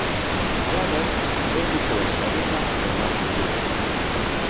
Halaber, lekukoen zerrenda onartu du.